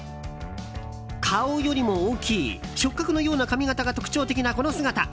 顔よりも大きい触角のような髪形が特徴的なこの姿。